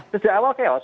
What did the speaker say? sejak awal chaos